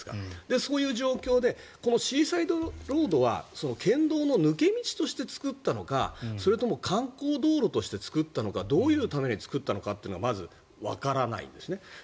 そういう状況でこのシーサイド道路は県道の抜け道として作ったのかそれとも観光道路として作ったのかどういうために作ったのかがまずわからないんですね。